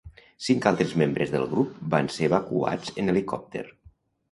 Cinc altres membres del grup van ser evacuats en helicòpter.